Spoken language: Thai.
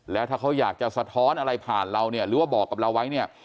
แล้วถ้าเขาอยากจะสะท้อนอะไรผ่านเราเนี่ยหรือว่าบอกกับเราไว้เนี่ย